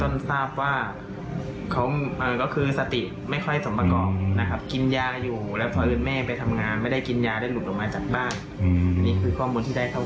นี่คือข้อมูลที่ได้ข้าวข้ามมา